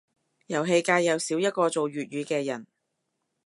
遊戲界又少一個做粵語嘅人